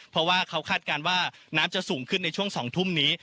เพราะว่าเขาคาดการณ์ว่าน้ำจะสูงขึ้นในช่วง๒ทุ่มนี้